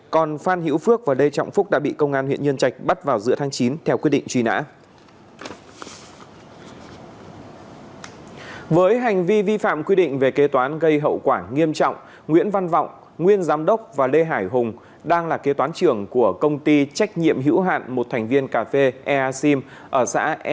còn phan hữu phước và lê trọng phúc đã bị công an huyện nhơn trạch bắt vào giữa tháng chín